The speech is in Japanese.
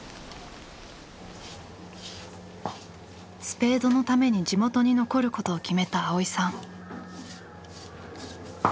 スペードのために地元に残ることを決めた蒼依さん。